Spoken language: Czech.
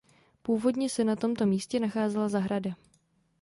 Původně se na tomto místě nacházela zahrada.